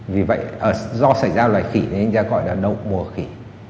vì vậy do xảy ra loại khỉ nên người ta gọi là đậu mùa khỉ